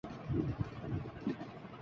امت کو دشمن کی ناپاک سازشوں سے آگاہی